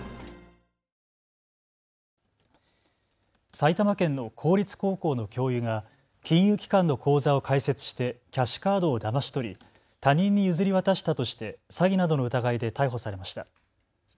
埼玉県の公立高校の教諭が金融機関の口座を開設してキャッシュカードをだまし取り他人に譲り渡したとして詐欺などの疑いで逮捕されました。